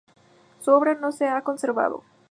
Su obra no se ha conservado.